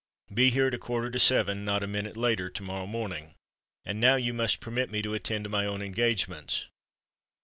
Be here at a quarter to seven—not a minute later—to morrow morning,—and now you must permit me to attend to my own engagements."